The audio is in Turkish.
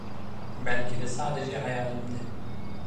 Belki de sadece hayalimde.